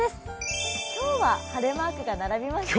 今日は晴れマークが並びましたね。